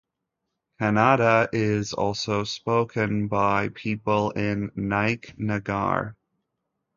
Kannada is also spoken by people in Naik Nagar.